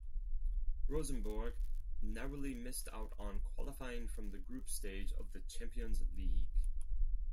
Rosenborg narrowly missed out on qualifying from the group stage of the Champions League.